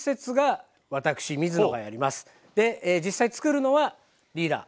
で実際つくるのはリーダー。